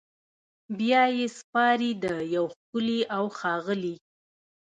بیا یې سپاري د یو ښکلي اوښاغلي